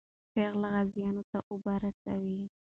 پېغلې غازیانو ته اوبه رسوي.